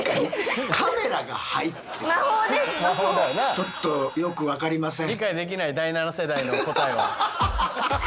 ちょっとよく分かりません。